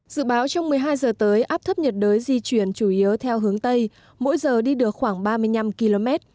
dự báo trong một mươi hai giờ tới áp thấp nhiệt đới di chuyển chủ yếu theo hướng tây mỗi giờ đi được khoảng ba mươi năm km